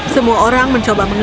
semua orang mencoba mengelak